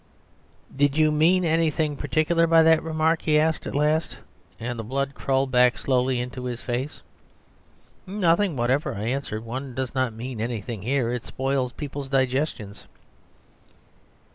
"Did you mean anything particular by that remark?" he asked at last, and the blood crawled back slowly into his face. "Nothing whatever," I answered. "One does not mean anything here; it spoils people's digestions."